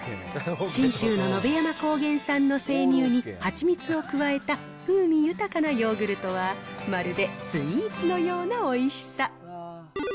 信州の野辺山高原産の生乳にはちみつを加えた、風味豊かなヨーグルトは、まるでスイーツのようなおいしさ。